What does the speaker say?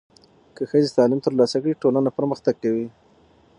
که ښځې تعلیم ترلاسه کړي، ټولنه پرمختګ کوي.